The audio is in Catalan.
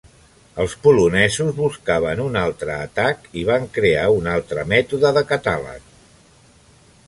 Els polonesos buscaven un altre atac i van crear un altre mètode de catàleg.